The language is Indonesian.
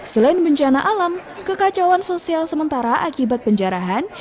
selain bencana alam kekacauan sosial sementara akibat penjarahan